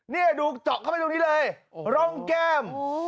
นี่ดูเจาะเข้าไปตรงนี้เลยร่องแก้ม